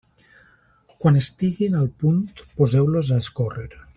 Quan estiguin al punt, poseu-los a escórrer.